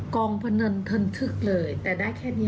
กองพนันทนทึกเลยแต่ได้แค่นี้ค่ะ